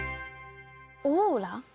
オーラ？圧？